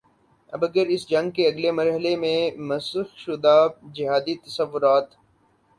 اب اگر اس جنگ کے اگلے مرحلے میں مسخ شدہ جہادی تصورات